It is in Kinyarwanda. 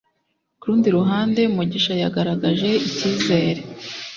Ku rundi ruhande, Mugisha yagaragaje icyizere.